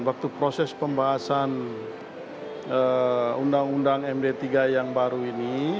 waktu proses pembahasan undang undang md tiga yang baru ini